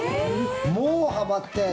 もう、はまって。